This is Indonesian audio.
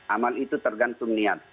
amal itu tergantung niat